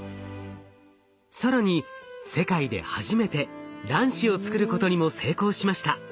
更に世界で初めて卵子を作ることにも成功しました。